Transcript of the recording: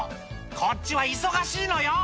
こっちは忙しいのよ！